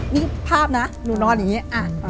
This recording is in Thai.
นี่ภาพนะหนูนอนอย่างนี้